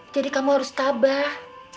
jadi kamu harus tabah